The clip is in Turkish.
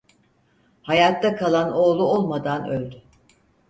Hayatta kalan oğlu olmadan öldü.